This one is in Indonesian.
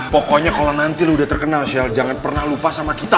pokoknya kalau nanti lu udah terkenal shell jangan pernah lupa sama kita